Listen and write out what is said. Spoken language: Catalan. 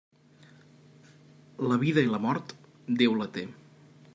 La vida i la mort, Déu la té.